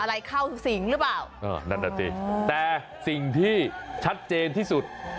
อะไรเข้าสิงหรือเปล่าเออนั่นน่ะสิแต่สิ่งที่ชัดเจนที่สุด